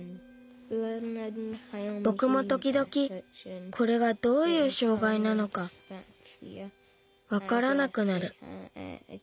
ぼくもときどきこれがどういう障害なのかわからなくなる。